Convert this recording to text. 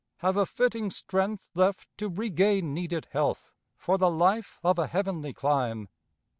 Have a fitting strength left to regain needed health For the life of a heavenly clime?